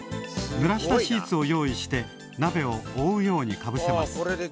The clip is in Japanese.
ぬらしたシーツを用意してなべをおおうようにかぶせます。